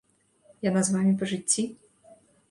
Яна з вамі па жыцці?